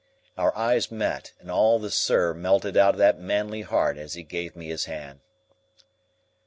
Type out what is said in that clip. Our eyes met, and all the "Sir" melted out of that manly heart as he gave me his hand.